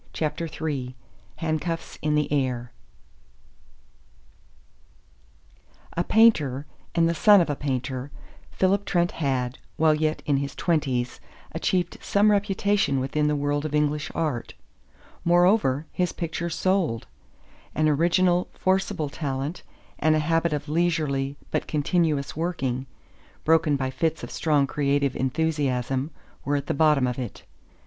CHAPTER III HANDCUFFS IN THE AIR A painter and the son of a painter, Philip Trent had, while yet in his twenties, achieved some reputation within the world of English art. Moreover, his pictures sold. An original, forcible talent and a habit of leisurely but continuous working, broken by fits of strong creative enthusiasm, were at the bottom of it.